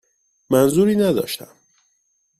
منظوری نداشتم.